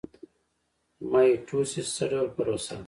مایټوسیس څه ډول پروسه ده؟